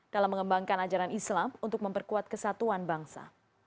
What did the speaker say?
dalam mengembangkan ajaran islam untuk memperkuat kesatuan bangsa